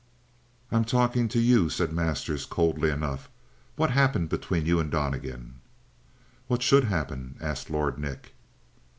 "I'm talking to you," said Masters coolly enough. "What happened between you and Donnegan?" "What should happen?" asked Lord Nick.